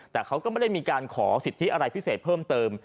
แต่เขาก็ไม่ได้มีการขอสิทธิอะไรพิเศษเพิ่มเติม